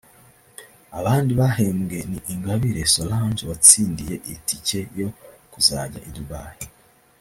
Abandi bahembwe ni Ingabire Solange watsindiye itiki yo kuzajya i Dubaï